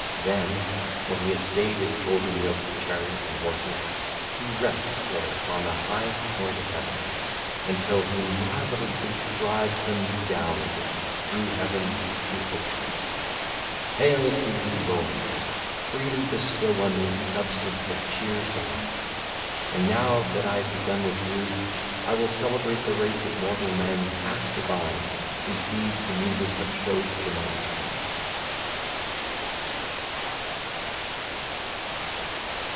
Then, when he has stayed his golden yoked chariot and horses, he rests there upon the highest point of heaven, until he marvellously drives them down again through heaven to Ocean. (ll. 17 19) Hail to you, lord! Freely bestow on me substance that cheers the heart. And now that I have begun with you, I will celebrate the race of mortal men half divine whose deeds the Muses have showed to mankind.